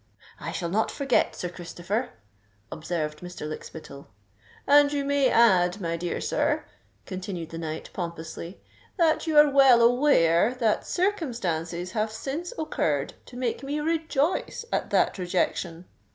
"I shall not forget, Sir Christopher," observed Mr. Lykspittal. "And you may add, my dear sir," continued the knight, pompously, "that you are well aware that circumstances have since occurred to make me rejoice at that rejection."